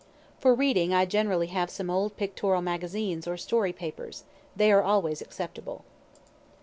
For reading I generally have some old pictorial magazines or story papers they are always acceptable.